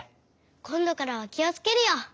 こんどからはきをつけるよ！